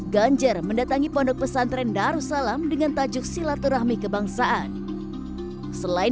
ganjar mendatangi pondok pesantren darussalam dengan tajuk silaturahmi kebangsaan selain